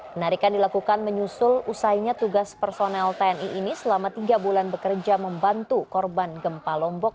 penarikan dilakukan menyusul usainya tugas personel tni ini selama tiga bulan bekerja membantu korban gempa lombok